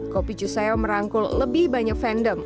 kopi cuseo merangkul lebih banyak fandom